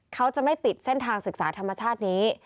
เขาจะไม่ปิดเส้นทางศึกษาธรรมชาตินี้